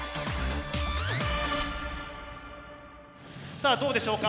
さぁどうでしょうか？